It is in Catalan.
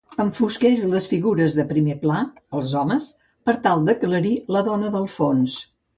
Enfosqueix les figures de primer pla, els homes, per tal d'aclarir la dona del fons.